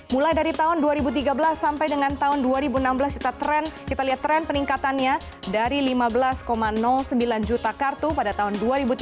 mulai dari tahun dua ribu tiga belas sampai dengan tahun dua ribu enam belas kita tren kita lihat tren peningkatannya dari lima belas sembilan juta kartu pada tahun dua ribu tiga belas